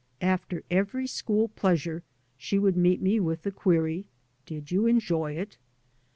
After every school pleasure she would meet me with the query: " Did you enjoy it?